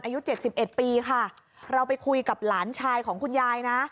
อายุ๗๑ปีค่ะเราไปคุยกับหลานชายของคุณยายนะ